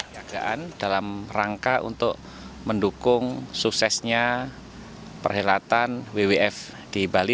jagaan dalam rangka untuk mendukung suksesnya perhelatan wwf di bali